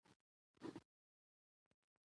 د اداري پرېکړې اغېز باید د قانون له مخې وارزول شي.